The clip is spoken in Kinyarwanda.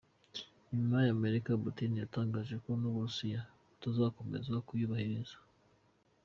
Nyuma y’Amerika, Putin yatangaje ko n’Uburusiya butazakomeza kuyubahiriza.